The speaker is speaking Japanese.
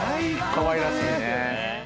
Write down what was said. かわいらしいね。